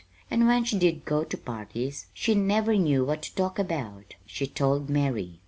And when she did go to parties, she never knew what to talk about, she told Mary.